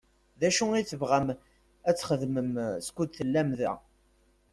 D acu i tebɣam ad t-txedmem skud tellam da?